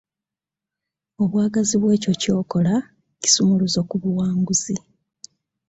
Obwagazi bwekyo ky'okola kisumuluzo ku buwanguzi.